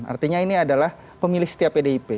artinya ini adalah pemilih setiap pdip